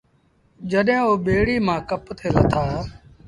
جڏهيݩٚ اوٚ ٻيڙيٚ مآݩٚ ڪپ تي لٿآ